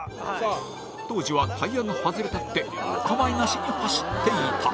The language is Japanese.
当時は、タイヤが外れたってお構いなしに走っていた。